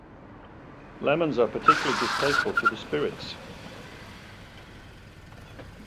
Lemons are particularly distasteful to the spirits.